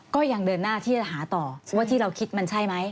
ก็ยังเดินหน้าที่จะหาต่อว่าที่เราคิดมันใช่ไหม